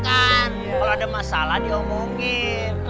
kalau ada masalah diomongin